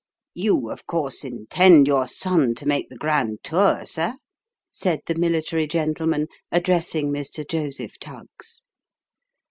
" You of course intend your son to make the grand tour, sir ?" said the military gentleman, addressing Mr. Joseph Tuggs.